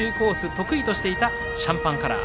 得意としていたシャンパンカラー。